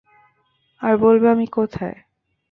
আর বলবে আমি কোথায়!